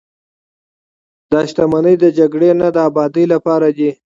دا شتمنۍ د جګړې نه، د ابادۍ لپاره دي.